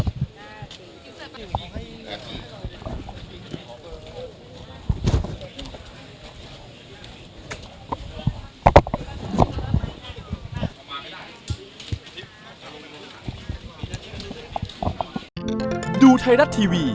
ขอบคุณครับ